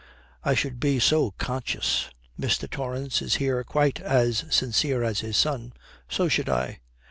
'I should be so conscious.' Mr. Torrance is here quite as sincere as his son. 'So should I.'